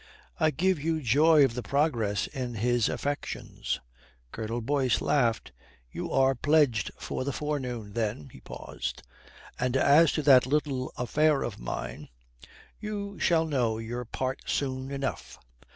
"I give you joy of the progress in his affections." Colonel Boyce laughed. "You are pledged for the forenoon then," he paused. "And as to that little affair of mine you shall know your part soon enough."